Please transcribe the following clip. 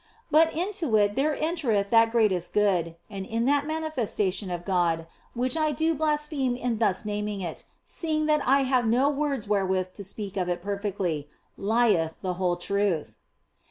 But into it there entereth that greatest Good, and in that manifestation of God (which I do blaspheme in thus naming it, seeing that I have no word wherewith to speak of it perfectly) lieth the whole truth.